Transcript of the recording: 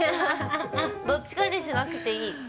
どっちかにしなくていい。